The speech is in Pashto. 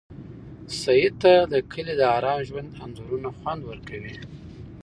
سعید ته د کلي د ارام ژوند انځورونه خوند ورکوي.